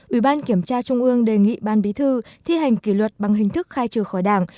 ủy ban kiểm tra trung ương đề nghị ban bí thư thi hành kỷ luật bằng hình thức khai trừ khỏi đảng